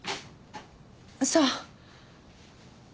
そう。